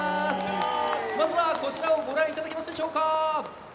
まずはこちらをご覧頂けますでしょうか。